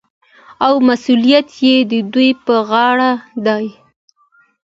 او مسوولیت یې د دوی په غاړه دی.